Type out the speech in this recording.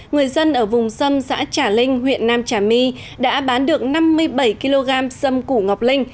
người dân ở vùng xâm xã trà linh huyện nam trà my đã bán được năm mươi bảy kg xâm củ ngọc linh